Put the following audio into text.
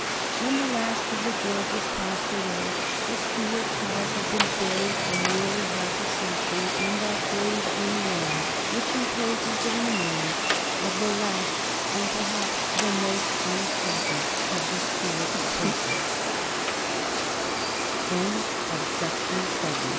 When the last of the Georges passed away, the Stuart cause had been buried for nearly half a century in that grave in Rome which encloses the remains of the last and perhaps the most unhapp